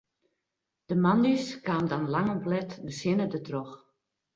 De moandeis kaam dan lang om let de sinne dertroch.